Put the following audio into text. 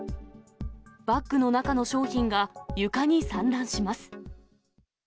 バッグの中の商品が床に散乱します。